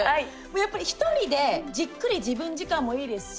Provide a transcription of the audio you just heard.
やっぱり、１人でじっくり自分時間もいいですし